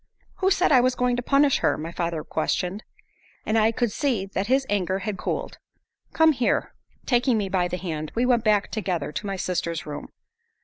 "Who said I was going to punish her?" my father questioned. And I could see that his anger had cooled. "Come here!" Taking me by the hand, we went back together to my sister's room.